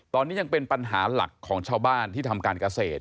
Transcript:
ตอนนี้ยังเป็นปัญหาหลักของชาวบ้านที่ทำการเกษตร